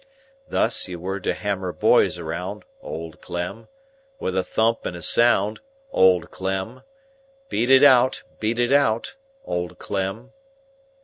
Thus, you were to hammer boys round—Old Clem! With a thump and a sound—Old Clem! Beat it out, beat it out—Old Clem!